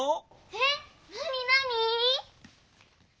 えなになに？